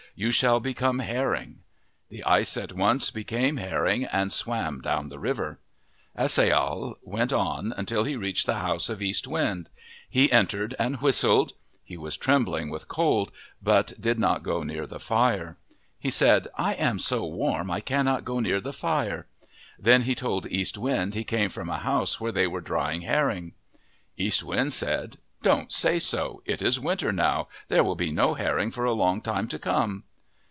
You shall be come herring." The ice at once became herring and swam down the river. As ai yahal went on until he reached the house of East Wind. He entered and whistled. He was 57 MYTHS AND LEGENDS trembling with cold, but did not go near the fire. He said, " I am so warm I cannot go near the fire." Then he told East Wind he came from a house where they were drying herring. East Wind said, " Don't say so. It is winter now. There will be no herring for a long time to come."